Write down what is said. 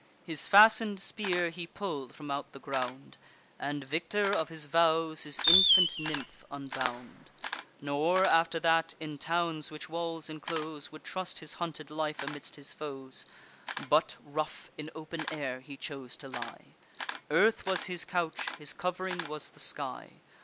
His fasten'd spear he pull'd from out the ground, And, victor of his vows, his infant nymph unbound; Nor, after that, in towns which walls inclose, Would trust his hunted life amidst his foes; But, rough, in open air he chose to lie; Earth was his couch, his cov'ring was the sky.